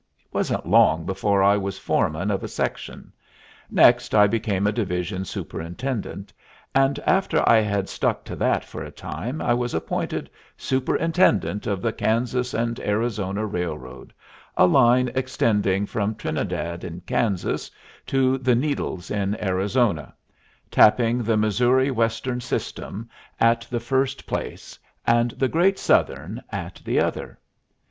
It wasn't long before I was foreman of a section; next I became a division superintendent, and after I had stuck to that for a time I was appointed superintendent of the Kansas & Arizona Railroad, a line extending from Trinidad in Kansas to The Needles in Arizona, tapping the Missouri Western System at the first place, and the Great Southern at the other.